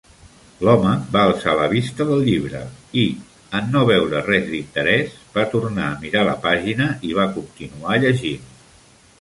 L'home va alçar la vista del llibre i, en no veure res d'interès, va tornar a mirar la pàgina i va continuar llegint.